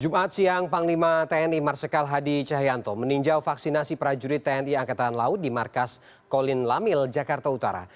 jumat siang panglima tni marsikal hadi cahyanto meninjau vaksinasi prajurit tni angkatan laut di markas kolin lamil jakarta utara